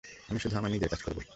আমি শুধু আমার নিজের কাজ করব।